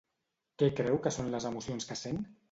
Què creu que són les emocions que sent?